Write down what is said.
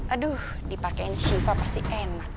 aduh dipakein syifa pasti enak